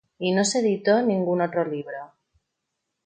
Y no se editó ningún otro libro.